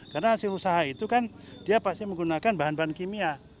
karena hasil usaha itu kan dia pasti menggunakan bahan bahan kimia